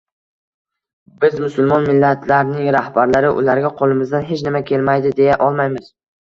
Biz, musulmon millatlarning rahbarlari, ularga qo‘limizdan hech nima kelmaydi deya olmaymiz